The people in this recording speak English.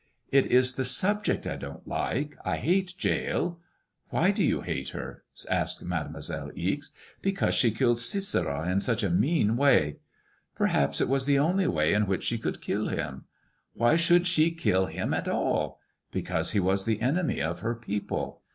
It is the subject I don't like. I hate Jael." Why do you hate her?^ asked Mademoiselle Ixe. *' Because she killed Sisera in such a mean way." Perhaps it was the only way in which she could kill him." Why should she kill him at all?" Because he was the enemy of her people."